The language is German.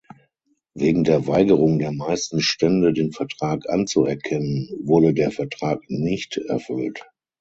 Wegen der Weigerung der meisten Stände den Vertrag anzuerkennen, wurde der Vertrag nicht erfüllt.